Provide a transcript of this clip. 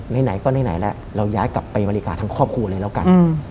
ไหนก็ไหนแล้วเราย้ายกลับไปอเมริกาทั้งครอบครัวเลยแล้วกัน